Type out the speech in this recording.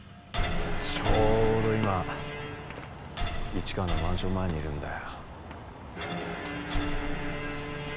ちょうど今市川のマンション前にいるんだよ。